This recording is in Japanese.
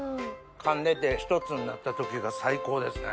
噛んでて一つになった時が最高ですね！